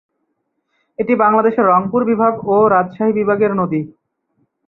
এটি বাংলাদেশের রংপুর বিভাগ ও রাজশাহী বিভাগের নদী।